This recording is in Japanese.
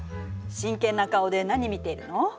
真剣な顔で何見ているの？